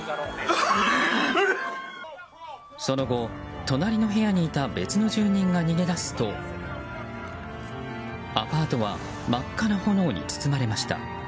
その後、隣の部屋にいた別の住人が逃げ出すとアパートは真っ赤な炎に包まれました。